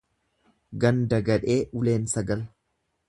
Ganda gadhee uleen sagal.